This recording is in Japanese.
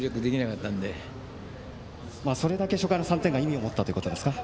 それだけ初回の３点が意味を持ったんですか。